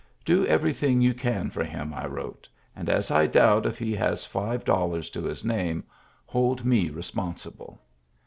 " Do everything you can for him," I wrote, " and as I doubt if he has five dollars to his name, hold me responsible."